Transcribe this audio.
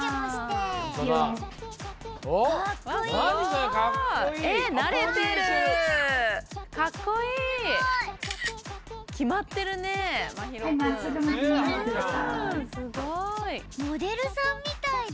すごい！